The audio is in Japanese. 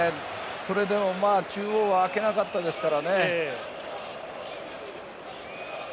それでも中央は空けなかったですから。